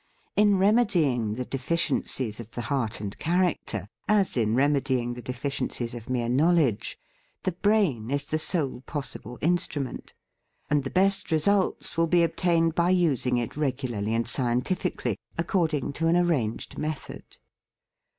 In remedying the deficiences of the heart and character, as in remedying the deficiences of mere knowledge, the brain is the sole possible instrument, THE FEAST OF ST FRIEND and the best results will be obtained by using it regularly and scientifically, ac cording to an arranged method.